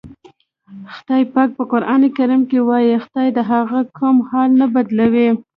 خدای پاک په قرآن کې وایي: "خدای د هغه قوم حال نه بدلوي".